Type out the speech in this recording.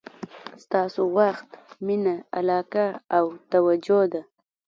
ستاسو وخت، مینه، علاقه او توجه ده.